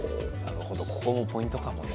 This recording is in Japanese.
ここもポイントかもね。